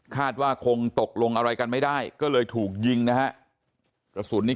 ว่าคงตกลงอะไรกันไม่ได้ก็เลยถูกยิงนะฮะกระสุนนี่